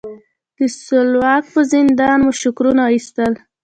د سلواک په زندان مو شکرونه ایستل.